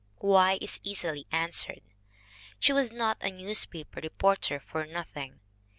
Why, is easily answered. She was not a newspaper re porter for nothing.